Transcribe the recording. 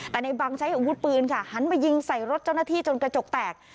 แต่ในบังใช้อาวุธปืนค่ะหันมายิงใส่รถเจ้าหน้าที่จนกระจกแตก